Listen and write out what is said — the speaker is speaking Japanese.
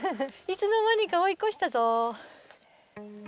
いつの間にか追い越したぞ。